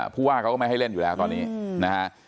ผู้ว่าเขาก็ไม่ให้เล่นอยู่แล้วตอนนี้นะฮะ